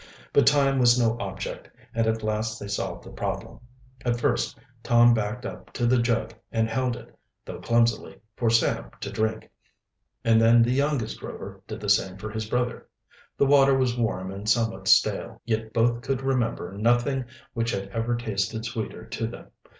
But time was no object, and at last they solved the problem. At first Tom backed up to the jug and held it, though clumsily, for Sam to drink, and then the youngest Rover did the same for his brother. The water was warm and somewhat stale, yet both could remember nothing which had ever tasted sweeter to them.